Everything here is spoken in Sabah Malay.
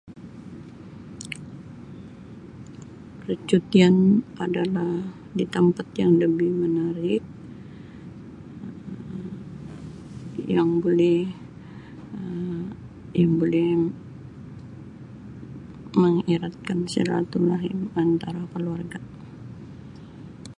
Percutian adalah di tampat yang lebih menarik yang boleh Um yang boleh mengeratkan silaturrahim antara keluarga.